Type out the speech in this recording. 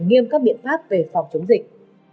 nghiêm các biện pháp về phòng chống dịch